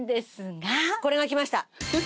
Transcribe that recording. これがきました。